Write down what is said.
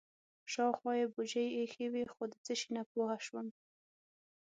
شاوخوا یې بوجۍ ایښې وې خو د څه شي نه پوه شوم.